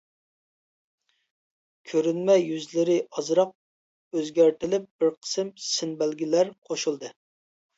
كۆرۈنمە يۈزلىرى ئازراق ئۆزگەرتىلىپ بىر قىسىم سىنبەلگىلەر قوشۇلدى.